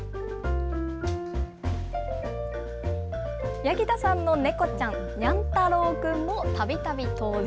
矢儀田さんの猫ちゃん、にゃん太郎くんもたびたび登場。